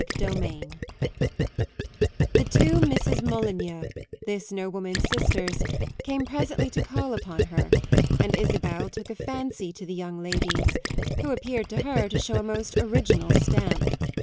CHAPTER IX The two Misses Molyneux, this nobleman's sisters, came presently to call upon her, and Isabel took a fancy to the young ladies, who appeared to her to show a most original stamp.